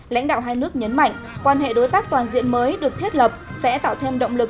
lãnh đạo hai nước nhấn mạnh quan hệ đối tác toàn diện mới được thiết lập sẽ tạo thêm động lực